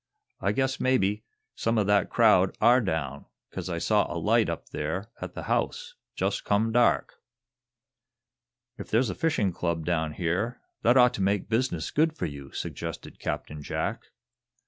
"I guess maybe some o' that crowd are down, 'cause I saw a light up there at the house, jest come dark." "If there's a fishing club down here, that ought to make business good for you," suggested Captain Jack.